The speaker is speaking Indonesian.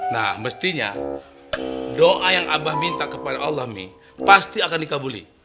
nah mestinya doa yang abah minta kepada allah mi pasti akan dikabuli